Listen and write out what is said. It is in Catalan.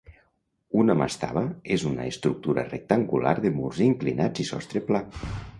Una mastaba és una estructura rectangular de murs inclinats i sostre pla